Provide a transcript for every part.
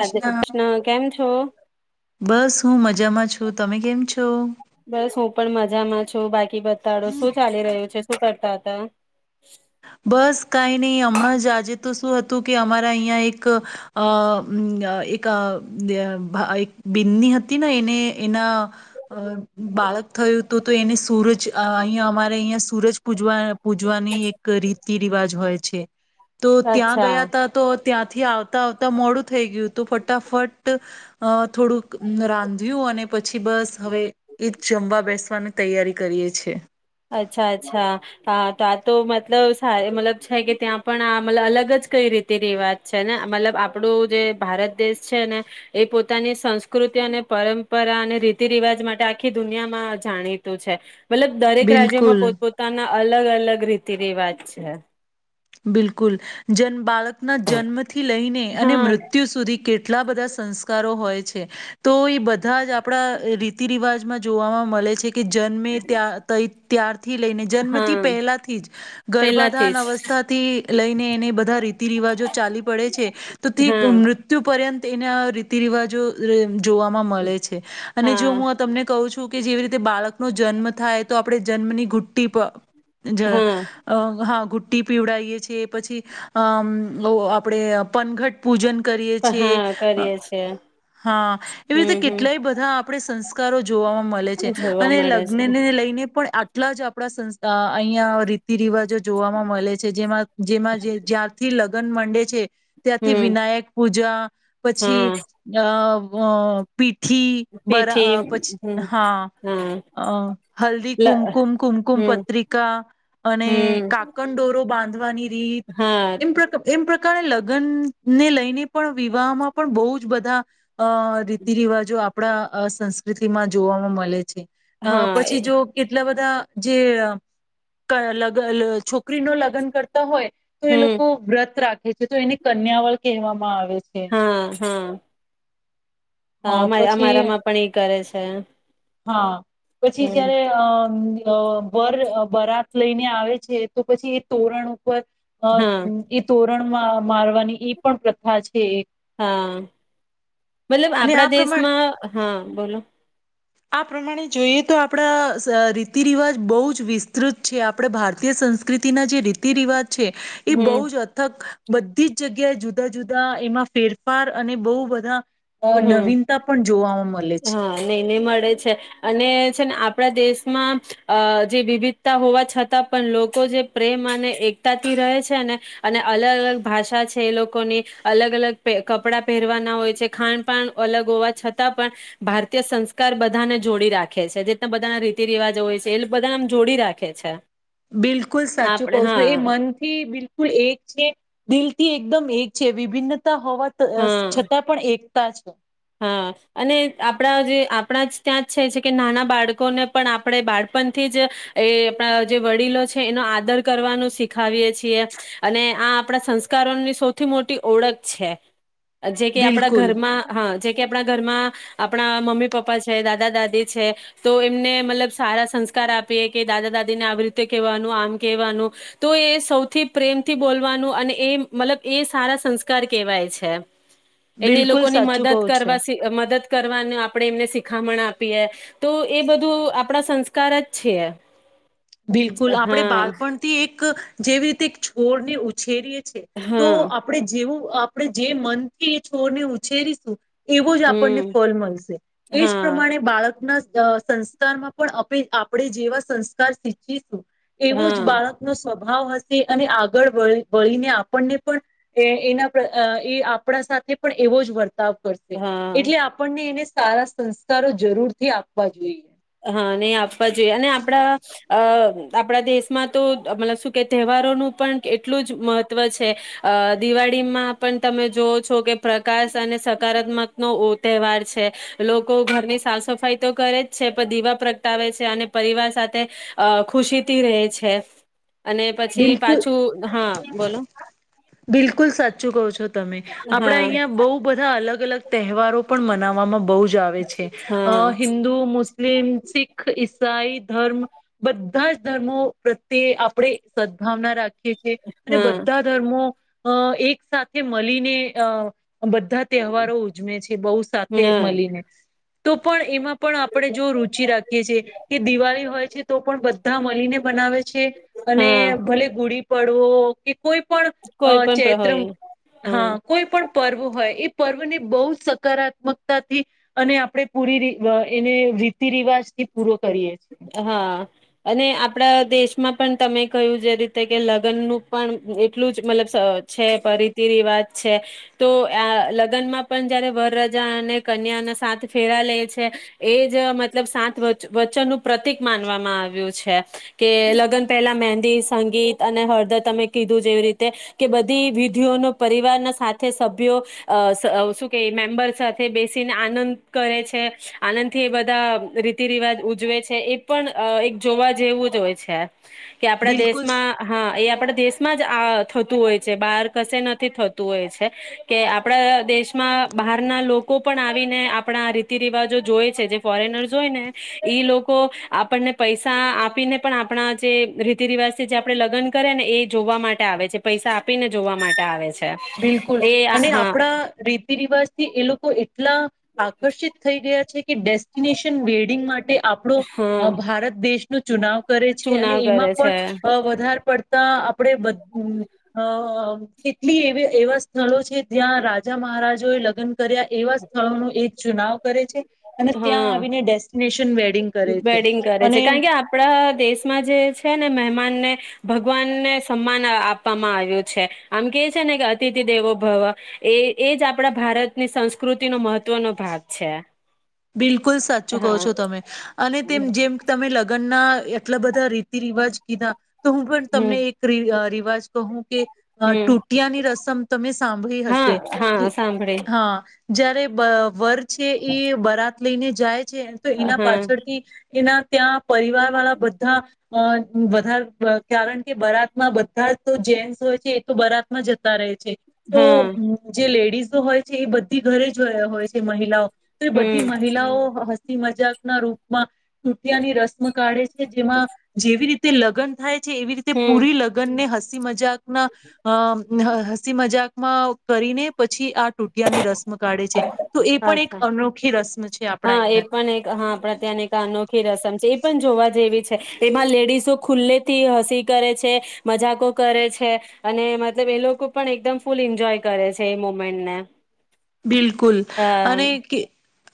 રાધે કૃષ્ણ કેમ છો? બસ હું મજામાં છું તમે કેમ છો? બસ હું પણ મજામાં છું બાક બતાડો શું ચાલી રહ્યું છે શું કર તા હતા બસ કાઈ નઈ હમણાં જ આજે તો શું હતું કે અમારા અહિયા એક અહ એક અહ એક બિની હતી ને એને એના બાળક થયું હતું, તો એને સૂરજ અહીંયા, અમારે અહીં સૂરજ પૂજવા પૂજવાની એક રીતિ રિવાજ હોય છે. તો ત્યાં અચ્છા ગયા હતા તો ત્યાંથી આવતા આવતા મોડું થઈ ગયું, તો ફટાફટ અ થોડુંક રાંધ્યું અને પછી બસ હવે એજ જમવા બેસવાની તૈયારી કરીએ છે. અચ્છા, અચ્છા, હા તો આતો મતલબ સ મતલબ છે કે ત્યાં પણ આ મતલબ અલગ જ કઈ રીતિ રિવાજ છે ને, મતલબ આપણું જે ભારત દેશ છે ને એ પોતાની સંસ્કૃતિ અને પરંપરા અને રીતિ રિવાજ માટે આખી દુનિયામાં જાણીતું છે, મતલબ દરેક રાજ્યમાં બિલકુલ પોત પોતાના અલગ અલગ રીત રિતી રિવાજ છે. બિલકુલ જન બાળક ના જન્મથી લઈને અને હા મૃત્યુ સુધી કેટલા બધા સંસ્કારો હોય છે, તો એ બધા જ આપ આપડા રીતિ રિવાજમાં જોવામાં મલે છે. કે જન્મે ત્યાં તઈ ત્યારથી લઈને જન્મથી હા પહેલાથી જ, પેલાથી ગર્ભાધાન જ અવસ્થા તાથી લઈને એને બધા રીતિ રિવાજો ચાલી પડે છે તો તે હા મૃત્યુ પર્યંત તે એના રીતિ રિવાજો જોવામાં મળે છે અને જો હા હું આ તમને કહું છું. કે જેવી રીતે બાળક નો જન્મ થાય તો આપણે જન્મની ઘૂંટ્ટી હ હા હ. ઘૂંટ્ટી પીવડાવીએ છીએ એ પછી અ બહુ આપણે પનઘટ પૂજન કરીએ છે હા કરીએ છીએ હા એવી રીતે હમ હમ કેટલાય બધા આપણે સંસ્કારો જોવામાં મળે છે જોવા અને મળે છે લગ્નને લઈને પણ એટલા જ આપડા સંસ્થા અહિયાં રીતિ રિવાજો જોવાવામાંમાં મળે છે જેમાં જે જેમાંથી લગ્ન માંડે છે. ત્યાંથી હમ વિનાયક પૂજા હા પછી અ અ પી થી પીઠી બરા પછી હમ હા હલ્દી લ કુમકુમ કુમકુમ હમ પત્રિકા અને હમ કા દોરો બાંધવાની રીત હા એમ એમ પ્ર ક્યારે લગ્નને લઈને પણ વિવાહમાં પણ બહુ જ બધા અ રીતિ રિવાજો આપ આપણા સંસ્કૃતિમાં જોવાવામાં મળે છે. અ હા પછી જો કેટલા બધા જે ક અલગ અલગ છોક છોકરીનું લગ્ન કરતા હોય. તો એ હમ લોકો વ્રત રાખે. જે તો એને કન્યાવળ કહેવામાં આવે છે. હા હા અ હા અમાર પછી અમારામાં પણ એ કરે છે. હા. પછી હમ જયારે અ અ વર બરાત લઈને આવે છે તો પછી એ તોરણ ઉપર ઉપ અ. હા એ તો ણમાં મારવાની એ પણ પ્રથા છે એક. હા. મતલબ અને આ આપણા પ્રમાણે દેશમાં હા બોલો. આ પ્રમાણે જોઈએ તો આપણા રીતિ રિવાજ બહુ જ વિસ્તૃત છે આપણે ભારતીય સંસ્કૃતિના જે રીતિ રિવાજ છે, એ બહુ હમ જ અથક બધી જ જગ્યાએ જુદા જુદા એમાં ફેરફાર અને બહુ બધા અ, હમ, નવીનતા પણ જોવા મળે છે. હા નહી નહી મળે છે અને છે ને આપણા દેશ માં જે વિવિધતા હોવા છતાં પણ લોકો જે પ્રેમ અને એકતાથી રહે છે ને, અને અલગ અલગ ભાષા છે એ લોકોની, અલગ અલગ અ કપડા પહેરવાના હોય છે. ખાણ પાણ અલગ હોવા છતાં પણ, ભારતીય સંસ્કાર બધાને જોડી રાખે છે જેના બધાના રીતિ રિવાજો હોય છે એ બધાને આમ જોડી રાખે છે. બિલકુલ સાચું આપણે કવ છું હા એ મનથી બિલકુલ એક છે, દિલથી એક એકદમ એક છે વિભિન્ન હોવા ત હા છતાં પણ એક કાતા છે. હા, અને આપણા જે આપણા જ ત્યાં જ છે એ છે કે નાના બાળકોને પણ આપણે બાળપણથી જ, એ આપણા જે વડીલો છે એનો આદર કરવાનું શીખાવીએ છીએ, અને આ આપણા સંસ્કારોની સૌથી મોટી ઓળખ છે. જે કે આપણા બિલકુલ ઘરમાં જે કે આપણા ઘરમાં, આપણા મમ્મી પપ્પા છે દાદા દાદી છે, તો એમને મતલબ સારા સંસ્કાર આપીએ કે દાદા દાદી ને આવી રીતે કહેવાનું આમ કેહેવાનું, તો એ સૌથી પ્રેમથી બોલવાનું અને એ મતલબ એ સારા સંસ્કાર કેહેવાય છે. એને બિલકુલ લોકોની સાચું. કહો મદદ છે કરવા સિ મદદ કરવાનું આપણેે એમને શિખામણ આપીએ, તો એ બધું આપણા સંસ્કાર જ છે. બિલકુલ આપણે હા બાળપણથી એક જેવી રીતે છોડને ઉછેરીએ તો હા આપણેે જેવું આપણે જે મનથી એ છોરને ઉછેરીશું, એવો જ આપણને હમ ફલ મળશે. એજ હા પ્રમાણે બાળકના અ સંસ્કારમાં પણ આપેલ, આપણે જેવા સંસ્કાર કાર સિંચીશું. એવો જ હા બાળકનો સ્વભાવ હશે અને આગળ વળીને આપણને પણ એના એ આપણા સાથે પણ એવો જ વર્તાવ કરશે. હા એટલે આપણને એને સારા સંસ્કારો જરૂર થી આપવા જોઈએ. હા નહી આપવા જોઈએ અને આપણા અ આપણા દેશમાં તો મતલબ શું કે તહેવારોનું પણ એટલું જ મહત્વ છે. અ દિવાળીમાં પણ તમે જોવ છો કે પ્રકાશ અને સકારાત્મક નો તહેવાર છે. લોકો ઘરની સાફ સફાઈ તો કરે જ છે પણ દીવા પ્રગટાવે છે. અને પરિવાર સાથે અ ખુશીથી રહે છે. અને પછી બિલકુલ પાછું. હા બોલો બિલકુલ સાચું કહ છો. તમે આપડા હા અહિયાં બહુ બધા અલગ અલગ તહેવારો પણ મનાવવામાં બહુ જ જ આવે છે હા હિન્દુ, મુસ્ મુસ્લિમ, શીખ, ઈસાઈ ધર્મ. બધા જ ધર્મો પ્રત્યે આપણે સદભાવના રાખી. છે અને હા બધા ધર્મો અ એક સાથે મળીને અ બધા તહેવારો ઉજમે છે બહુ સાથે હા મળીને. તો પણ એમાં પણ આપણે જો રુચિ રાખીએ છીએ, કે દિવાળી હોય છે તો પણ બધા મળીને મનાવે છે, અને હા ભલે ગુડી પડ ડવો કે કોઈ પણ અ કોઈ પણ ચૈત્ર, હોય હા કોઈ પણ પર્વ હોય એ પર્વ ને બહુ સકારાત્મકતાથી, અને આપણે પૂરી એને રીતિ રિવાજ થી પૂરો કરીએ છીએ હા અને આપણા દેશ માં પણ તમે કહ્યું જે રીતે કે લગ્ન નું પણ એટલું જ મતલબ છે રીતિ રિવાજ છે, તો આ લગ્નમાં પણ જયારે વરરજા અને કન્યા ના સાત ફેરા લે છે, એ જ મતલબ સાત વચ-વચન પ્રતિક માનવામાં આવ્યું છે, કે લગ્ન પહેલા મહેંદી સંગીત અને હળદર તમે કીધું જેવી રીતે, કે બધી વિધિઓનો પરિવારના સાથે સભ્યો, શું કે મેમ્બર સાથે બેસીને આનંદ કરે છે આનંદથી એ બધા રીતિ રિવાજ ઉજવે છે. એ પણ એક જોવા જેવું જ હોય છે. કે આપડા બિલકુલ દેશમાં હા એ આપણા દેશમાં જ આ થતું હોય છે બહાર કશે નથી થતું હોય છે, કે આપણા દેશમાં બહારના લોકો પણ આવીને આપણા રીતિ રિવાજો જોય છે, જે ફોરેનર્સ હોય ને, ઈ લોકો આપણને પૈસા આપીને પણ આપણા જે રીતિ રિવાજ થી જે આપણેે લગ્ન કરે ને એ જોવા માટે આવે છે, પૈસા આપીને જોવા માટે આવે છે. બિલકુલ, એ અને હા આપણા રીતિ રિવાજ થી એ લોકો એટ એટલા આકર્ષિત થઈ ગયા છે. કે ડેસ્ટિનેશન વેડિંગ માટે આપણો હા ભારત દેશ નો ચુનાવ કરે છે અને ચુનાવ એમાં કરે છે પણ વધારે પડતા આપણે બ હ કેટલી એ એવા સ્થળો છે જ્યાં રાજા મહારાજાઓ એ લગ્ન કર્યા એવા સ્થળોનું એક ચુનાવ કરે છે. અને ત્યાં હા. આવીને ડેસ્ટિનેશન વેડિંગ કરે છે વેડિંગ કરે અને છે. કારણ કે આપડા દેશમાં જે છે ને મહેમાનને ભગવાનને સમાન આપવામાં આવ્યું છે. આમ કે છે ને કે અતિથિ દેવો ભવ એ એજ આપણા ભારતની સંસ્કૃતિનો મહત્વનો ભાગ છે. બિલકુલ. ખૂબ જ સાચું કહો હા છો તમે અને તેમ જેમ તમે લગ્નના એટલા બધા રીતિ રિવાજ કીધા તો હું પણ હમ તમને એક રીવ-રિવા [unintelligible] તો હું કે-અ હમ ટુટીયાની રસમ તમે સ [unintelligible] હા હસે કી હા સાંભળે હા. જ્યારે [unintelligible] છે એઈ [unintelligible] લઈને જાય [inaudible] તો ઇના હા પાછળથી ઇના ત્યાં પરિવાર વાળા બધા અ-વધાર-વ કારણ કે બરાતમાં બધા તો જેન્ટસ હોય છે એ તો બરાત માં જતા રહે છે. [unintelligible] તો હા હું જે લેડીઝ તો હોય છે એ બ ઘરે જોયા હોય છે મહિલાઓ ત-એ બ [unintelligible] હમ મહિલાઓ હ-હ. [unintelligible] મજાક ના રૂપમાં ટુટિયાની રસ્મ કાઢે છે જેમાં જેવી રીતે લગન થાય. [unintelligible] એવી રીતે હમ પૂરી લગન ને હસ સી મજાક ના અ હ-હ-હસી મજાકમાં કરીને પછી આ ટુટિયાની રસ્મ કાઢે છે તો એ પણ એક અચ્છા અનુ હા એ પણ એક હા આપણા ત્યાંની એક અનોખી રસમ જે પણ જોવા જેવી છે એમાં લેડીસો ખુલ્લેથી હસી કરે છે મજાકો કરે છે અને મતલબ એ લોકો પણ એકદમ ફૂલ એન્જોય કરે છે એ મુમેનને બિલકુલ અને કે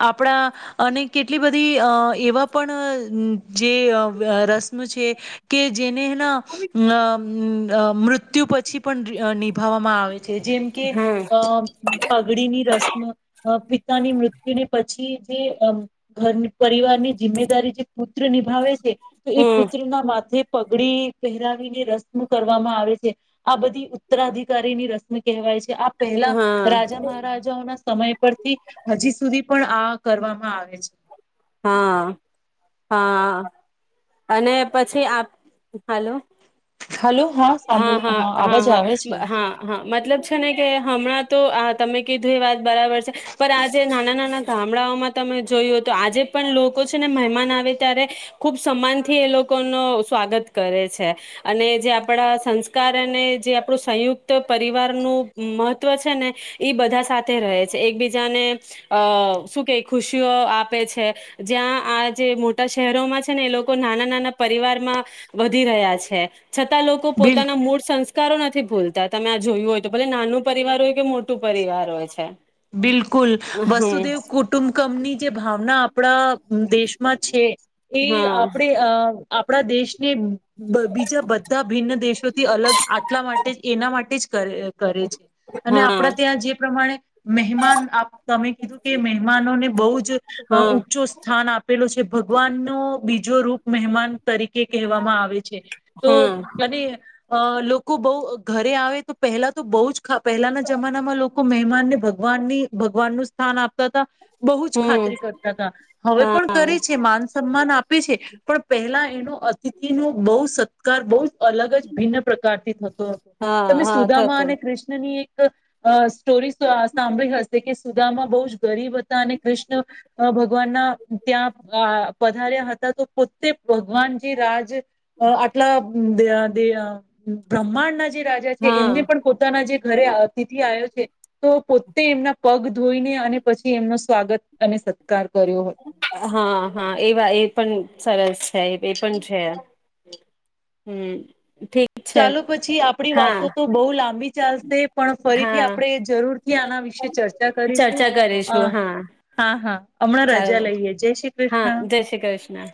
આપણા અને કેટલી બધી અ-એવા પણ-અ-અમ જે અ-વ રસ્મ છે કે જેને ના નમ્મ અ મૃત્યુ પછી પણ રી-નિભાવવામાં આવે. જેમ કે હમ અ [inaudible] રસ્મ અ-પિતાની મૃત્યુને પછી જે-અમ ઘર પરિવારની જિમ્મેદારી જે પુત્ર નિભાવે છે તો એ હમ પુત્રના માથે પગડી પહેરાવીને રસ્મ કરવામાં આવે છે આ બધી ઉત્તરાધિકારીની રસ્મ કહેવાય છે. આ પહેલા હા રાજામા સમય પરથી પછી સુધી પણ આ કરવામાં આવે છે. હા હા. અને પછી આપ હાલો. હલો હા સાંભળું હા અવાજ આવે છે. હા-હા-હા-હા-અ-હા-હા મતલબ છે ને કે હમણાં તો આ તમે કીધું એ વાત બરાબર છે પણ આજે નાના-નાના ગામડાઓમાં તમે જોયું હોઇતો આજે પણ લોકો છે ને મહેમાન આવે ત્યારે ખુબ સમ્માનથી એ લોકોનો સ્વાગત કરે છે અને જે આપણા સંસ્કાર અને જે આપણું સંયુક્ત પરિવારનું મહત્વ છે ને એ બધા સાથે રહે છે એકબીજાને અ-શું-કે-અ ખુશીઓ આપે છે જ્યાં આ જે મોટા શેહેરોમાં ને એ લોકો નાના નાના પરિવાર માં વધી રહ્યા છે. છતાં લોકો બિલકુલ પોતાના મૂળ સંસ્કાર કારો નથી ભૂલતા તમે આ જોયું હોય તો ભલે નાનું પરિવાર હોય કે મોટું પરિવાર હોય છે. બિલકુલ હમ વસુદેવ કુટુંબકમની જે ભાવના આપ આપડા દેશમાં છે એ હા આપડે અ આપણા દેશને બીજા બધા ભિન્ન દેશોથી અલગ આટલા માટે જ એના માટે જ કરે કરે છે. અને હા આપડા ત્યાં જે પ્રમાણે મહેમાન આપ તમે કીધું કે મહેમાનોને બહુ જ અ હા ઊંચું સ્થાન આપ આપેલો છે ભગવાન નો બીજો રૂપ મહેમાન તરીકે કહેવામાં આવે છે. તો હા ક અ લોકો બઉ ઘરે આવે તો પહેલા તો બહ જ પહેલાના જમાનામાં લોકો મહેમાન ને ભગ ભગવાનની ભગવાન નું સ્થાન આપતા હતા. બહુ જ હમ ખાતરી કરતા હતા હવે હા પણ કરે છે. માન સન્માન આપે છે પણ પહેલા એનો અતિથિ નો બહુ સત્કાર બહુ જ અલગ જ ભિન્ન પ્રકારથી થતો હતો હા તમે હા સુદામા થતું અને કૃષ્ણ ની એક સ્ટોરી સાંભળી હશે કે સુદામાં બહુ જ ગરીબ હતા અને કૃષ્ણ ભગવાનના ત્યાં પધાર્યા હતા તો પોતે ભગવાન જે રાજ હું અટલા ધ્યાન તે આ બ્રહ્માંડ ના જે રાજા છે હા એમને પણ પોતાના જે ઘરે અતિથિ આયોજ તો પો એમના પગ ધોઈને અને પછી એમનો સ્વાગત અને સત્કાર કર્યો હતો હા હા એવા એ પણ સરસ છે એ પણ છે. હમ. ઠીક છે ચાલો પછી આપડી વાતો હા તો બહુ લાંબી ચાલશે પણ ફરીથી હા આપણે જરૂર થી આના વિશે ચર્ચા કરીશું. ચર્ચા કરીશું હા હા હા હમણાં રજા ચાલો લઈએ જય શ્રી હા કૃષ્ણ. જય શ્રી કૃષ્ણ